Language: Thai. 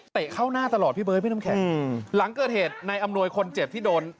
เข้าหน้าตลอดพี่เบิร์ดพี่น้ำแข็งอืมหลังเกิดเหตุในอำนวยคนเจ็บที่โดน